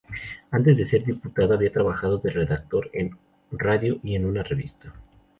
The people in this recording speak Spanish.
Antes de ser diputado había trabajado de redactor en radio y en una revista.